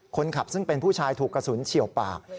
คนขับซึ่งเป็นผู้ชายถูกกระสุนเฉียวปาก